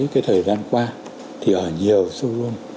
cái thời gian qua thì ở nhiều showroom